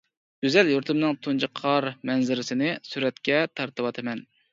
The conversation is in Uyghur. گۈزەل يۇرتۇمنىڭ تۇنجى قار مەنزىرىسىنى سۈرەتكە تارتىۋاتىمەن.